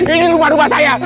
ini rumah rumah saya